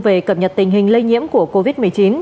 về cập nhật tình hình lây nhiễm của covid một mươi chín